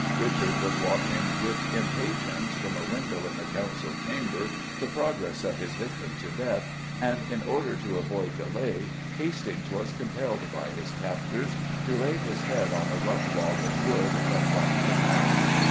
Richard was watching with impatience, from a window in the Council Chamber, the progress of his victim to death, and, in order to avoid delay, Hastings was compelled by his captors to lay his head on a rough log of wood that blocked the path.